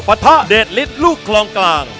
ประทะเดทลิศลูกคล่องกลาง